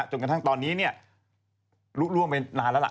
จนกระทั่งตอนนี้ลุกล่วงไปนานแล้วล่ะ